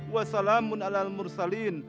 wa salamun ala almursalin